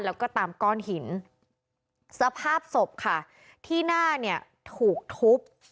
แล้วก็ตามก้อนหินสภาพศพค่ะที่หน้าเนี่ยถูกทุบ